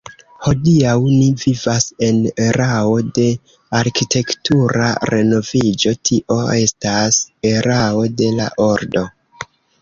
Hodiaŭ ni vivas en erao de arkitektura renoviĝo, tio estas erao de la ordo.